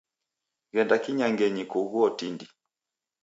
Ghenda kinyangenyi kughuo tindi.